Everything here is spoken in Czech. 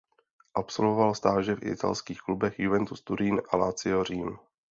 Absolvoval stáže v italských klubech Juventus Turín a Lazio Řím.